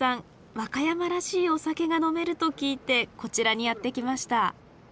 和歌山らしいお酒が呑めると聞いてこちらにやって来ました。